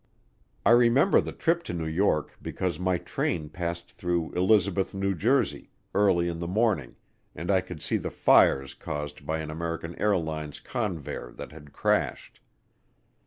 I remember the trip to New York because my train passed through Elizabeth, New Jersey, early in the morning, and I could see the fires caused by an American Airlines Convair that had crashed.